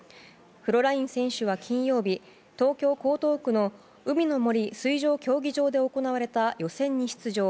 フロライン選手は金曜日東京・江東区の海の森水上競技場で行われた予選に出場。